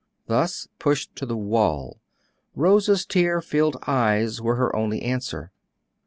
Thus pushed to the wall, Rose's tear filled eyes were her only answer.